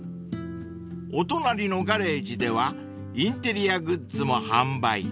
［お隣のガレージではインテリアグッズも販売］